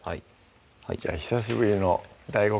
じゃあ久しぶりのＤＡＩＧＯ